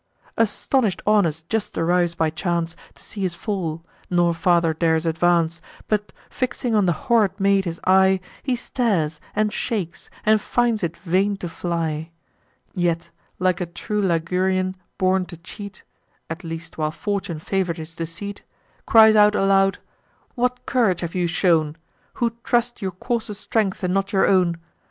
Astonish'd Aunus just arrives by chance, To see his fall; nor farther dares advance; But, fixing on the horrid maid his eye, He stares, and shakes, and finds it vain to fly; Yet, like a true Ligurian, born to cheat, (At least while fortune favour'd his deceit,) Cries out aloud: "What courage have you shown, Who trust your courser's strength, and not your own?